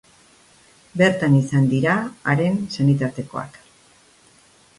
Bertan izan dira haren senitartekoak.